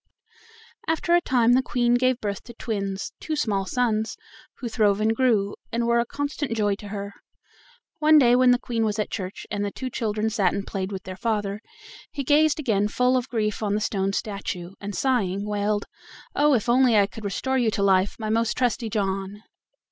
After a time the Queen gave birth to twins, two small sons, who throve and grew, and were a constant joy to her. One day when the Queen was at church, and the two children sat and played with their father, he gazed again full of grief on the stone statue, and sighing, wailed: "Oh, if I could only restore you to life, my most trusty John!"